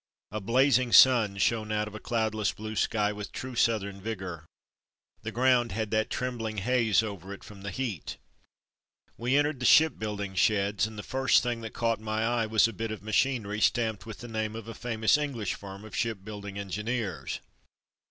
A blazing sun shone out of a cloudless, blue sky with true southern vigour. The ground had that trembling haze over it from the heat. We entered the ship building sheds and the first thing that caught my eye was a bit of machinery stamped with the name of a fa mous English firm of ship building engineers.